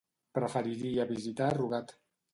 Preferiria visitar Rugat.